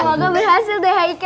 maka berhasil deh aikel